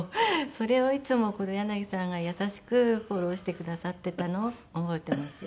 それをいつも黒柳さんが優しくフォローしてくださっていたのを覚えてます。